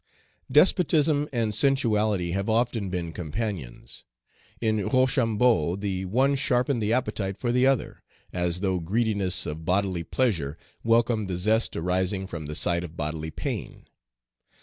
Despotism and sensuality have often been companions. In Rochambeau the one sharpened the appetite for the other, as though greediness of bodily pleasure welcomed the zest arising from the sight of bodily pain.